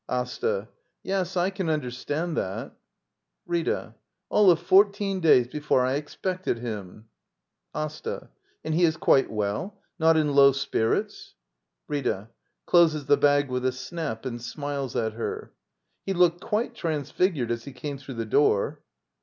Asta. Yes, I can understand that. RrrA. All of fourteen dajrs before I expected him! Asta. And he is quite well? Not in low spirits? Rtta. [Closes the bag with a snap and smiles at her.] He looked quite transfigured as he came through the door.